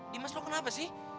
dimas lu kenapa sih